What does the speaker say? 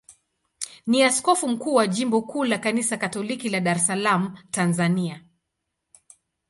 ni askofu mkuu wa jimbo kuu la Kanisa Katoliki la Dar es Salaam, Tanzania.